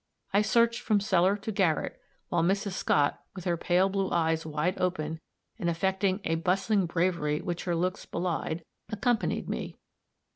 I searched from cellar to garret, while Mrs. Scott, with her pale blue eyes wide open, and affecting a bustling bravery which her looks belied, accompanied me.